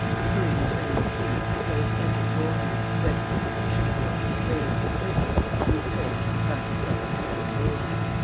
Hurriedly turning the key, Clarisse entered boldly, went to the partition door, raised the curtain, drew the bolt and found herself in her own room.